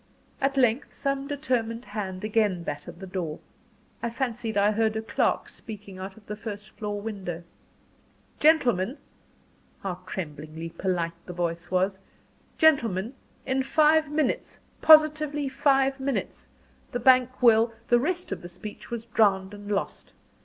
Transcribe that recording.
At length some determined hand again battered at the door. I fancied I heard a clerk speaking out of the first floor window. "Gentlemen" how tremblingly polite the voice was! "Gentlemen, in five minutes positively five minutes the bank will " The rest of the speech was drowned and lost.